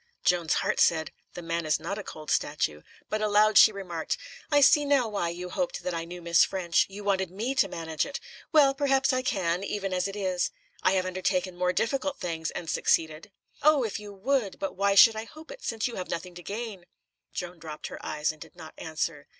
Joan's heart said: "The man is not a cold statue," but aloud she remarked: "I see now why you hoped that I knew Miss Ffrench. You wanted me to manage it. Well, perhaps I can, even as it is. I have undertaken more difficult things and succeeded." "Oh, if you would! But why should I hope it, since you have nothing to gain?" Joan dropped her eyes and did not answer.